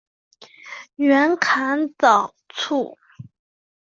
袁侃早卒。